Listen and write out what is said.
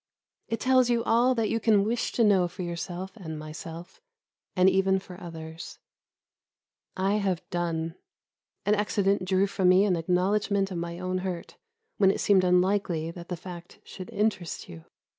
It tells you all that you can wish to know for yourself and myself and even for others. I have done; an accident drew from me an acknowledgment of my own hurt when it seemed unlikely that the fact should interest you.